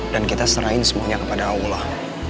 dan kita serahin semuanya kepada allah